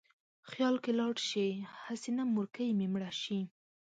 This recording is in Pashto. خیال کې لاړ شې: هسې نه مورکۍ مې مړه شي